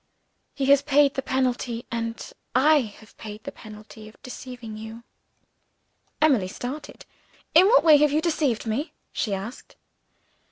He has paid the penalty, and I have paid the penalty, of deceiving you." Emily started. "In what way have you deceived me?" she asked.